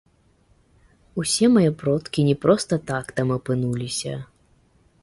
Усе мае продкі не проста так там апынуліся.